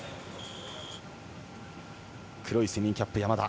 黒いスイミングキャップ山田。